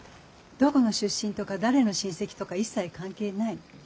どこの出身とか誰の親戚とか一切関係ない。